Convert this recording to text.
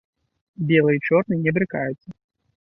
Белы і чорны і не брыкаюцца.